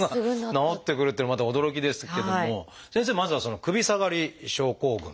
治ってくるっていうのもまた驚きですけども先生まずはその「首下がり症候群」。